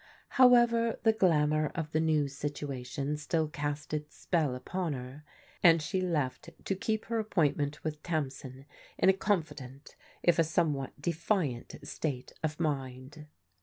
However, the glamour of the new situation still cast its spell upon her, and she left to keep her appointment with Tamsin in a confident, if a somewhat defiant state of mind.